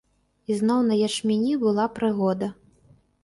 Ізноў на ячмені была прыгода.